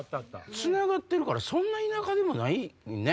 つながってるからそんな田舎でもないね。